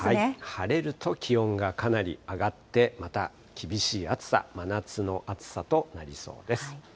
晴れると気温がかなり上がって、また厳しい暑さ、真夏の暑さとなりそうです。